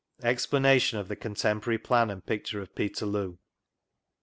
4. EXPLANATI0N OF THE CONTEMPORARY PLAN AND PICTURE OF PETERLOO.